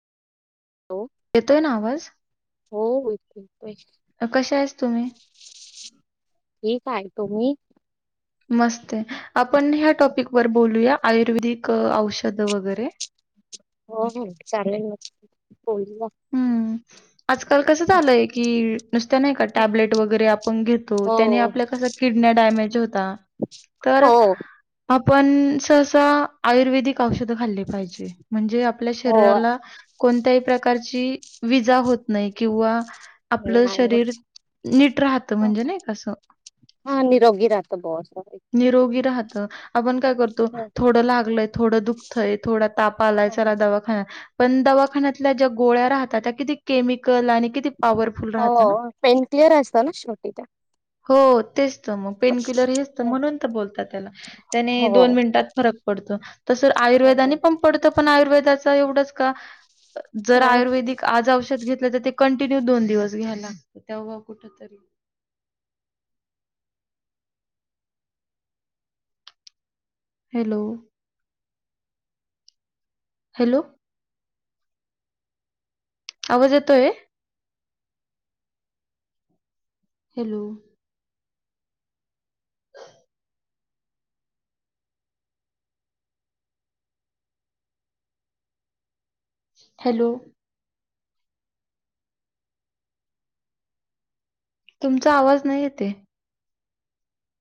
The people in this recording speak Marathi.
हॅलो येतोय ना आवाज. हो येतोय कशा आहेस तुम्ही. ठीक आहे तुम्ही. मस्त आपण ह्या टॉपिक वर बोलूया आयुर्वेदिक औषध वगैरे. [inaudible] हो हो चालेल मोल. हं. आजकाल कसं झालंय की नुसत्या नाही का टॅबलेट वगैरे आपण घेतो हो त्यानी आपल्या कस किड. [unintelligible] हो आपण ससा आयुर्वेदिक औषध खाल्ली पाहिजे म्हणजे आपल्या हो शरीराला. कोणत्याही प्रकारची विजा होत नाही किंवा. आपलं नाही शरीर होत नीट राहतं म्हणजे नाही कसं. हा निरोगी रात बो. निरोगी राहतं. आपण. काय करतो थोडं लागलंय थोडं दुख्तय थोडा तापा आलाय चला दवाखा. पण दवाखान्यातल्या ज्या गोळ्या राहतात त्या किती केमिकल आणि किती. पॉवरफुल हो राहतात ना. पेन क्लिअर असत ना शेवटी ते. हो तेच तर मग पेनकिलर हेचत म्हणून तर बोलतात त्याला त्याने हो दोन मिनिटात फरक. पडत तस आयुर्वेदाने हो पण पडतं पण आयुर्वेदाच एवढंच का. जर हो आयुर्वेदिक आज औषध घेत. तर ते कंटिन्यू दोन दिवस घ्याला तेव कुठ तरी. [inaudible] हॅलो. हॅलो. आवाज येतोय हॅलो हॅलो तुमचा आवाज नाही येतये